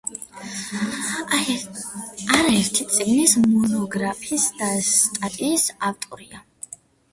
არაერთი წიგნის, მონოგრაფიის და სტატიის ავტორია.